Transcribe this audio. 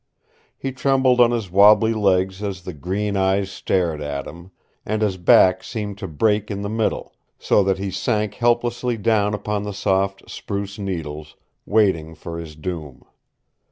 He trembled on his wobbly legs as the green eyes stared at him, and his back seemed to break in the middle, so that he sank helplessly down upon the soft spruce needles, waiting for his doom.